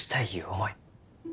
思い